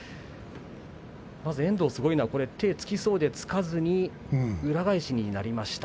遠藤は手をつきそうでつかずに裏返しになりました。